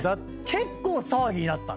結構騒ぎになったんです。